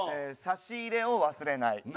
差し入れを忘れない。